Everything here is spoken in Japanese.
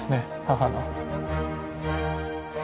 母の。